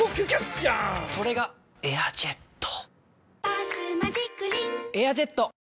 それが「エアジェット」「バスマジックリン」「エアジェット」！